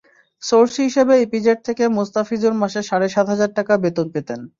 Source হিসেবে EPZ থেকে মোস্তাফিজুর মাসে সাড়ে সাত হাজার টাকা বেতন পেতেন।